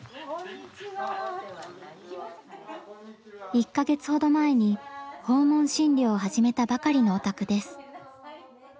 １か月ほど前に訪問診療を始めたばかりのお宅です。